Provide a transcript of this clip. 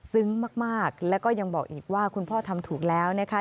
ซึ้งมากแล้วก็ยังบอกอีกว่าคุณพ่อทำถูกแล้วนะคะ